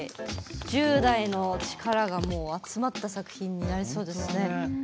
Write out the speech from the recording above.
１０代の力が集まった作品になりそうですね。